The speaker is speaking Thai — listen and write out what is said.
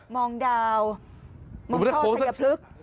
มองดาวมองท่อชัยพลึก